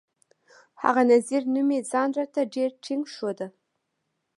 هغه نذير نومي ځان راته ډېر ټينګ ښوده.